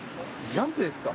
ジャンプですか？